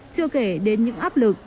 chưa kể đến những áp lực